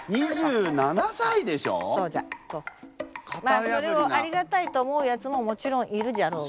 まあそれをありがたいと思うやつももちろんいるじゃろうが。